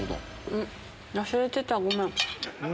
ん、忘れてた、ごめん。